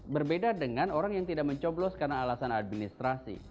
berbeda dengan orang yang tidak mencoblos karena alasan administrasi